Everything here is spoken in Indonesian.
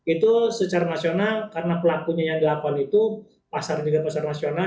itu secara nasional karena pelakunya yang delapan itu pasar juga pasar nasional